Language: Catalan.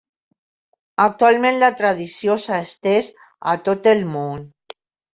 Actualment la tradició s'ha estès a tot el món.